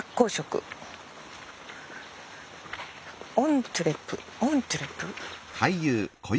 オントゥレオントゥレ？